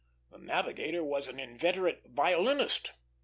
The navigator was an inveterate violinist.